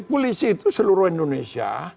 polisi itu seluruh indonesia